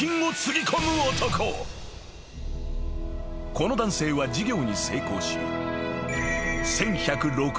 ［この男性は事業に成功し］